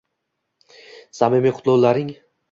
Samimiy qutlovlarng